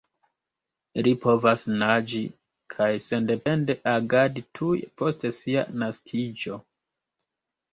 Ili povas naĝi kaj sendepende agadi tuj post sia naskiĝo.